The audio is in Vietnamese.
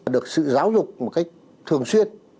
được sự giáo dục một cách thường xuyên